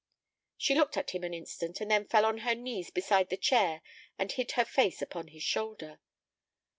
She looked at him an instant, and then fell on her knees beside the chair and hid her face upon his shoulder.